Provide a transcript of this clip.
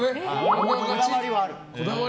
こだわりはある。